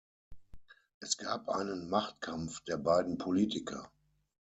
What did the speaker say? Es gab einen Machtkampf der beiden Politiker.